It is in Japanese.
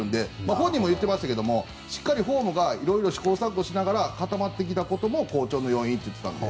本人も言っていますがしっかりフォームも試行錯誤しながら固まってきたことも好調の要因だということで。